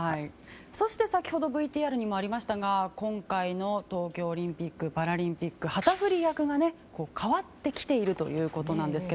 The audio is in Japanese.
そして先ほどＶＴＲにもありましたが今回の東京オリンピック・パラリンピックの旗振り役が代わってきているということなんです。